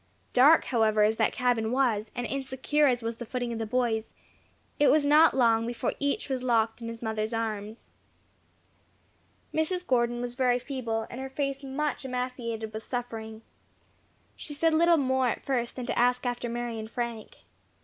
Dark, however, as that cabin was, and insecure as was the footing of the boys, it was not long before each was locked in his mother's arms. Mrs. Gordon was very feeble, and her face much emaciated with suffering. She said little more at first than to ask after Mary and Frank.